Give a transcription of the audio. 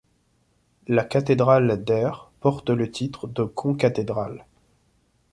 La cathédrale d'Aire porte le titre de Concathédrale.